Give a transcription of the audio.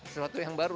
sesuatu yang baru